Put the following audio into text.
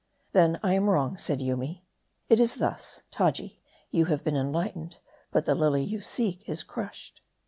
" Then, I am wrong," said Yoomy. " It is thus : Taji, you have been enlightened, but the lily you seek is crushed."